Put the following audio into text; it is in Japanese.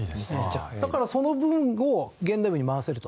だからその分を現代文に回せると。